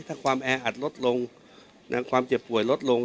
ถ้าความแออัดลดลงความเจ็บป่วยลดลง